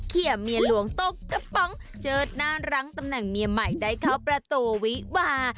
เขียเมียหลวงตกกระป๋องเจิดหน้ารั้งตำแหน่งเมียใหม่ได้เข้าประตูวิวา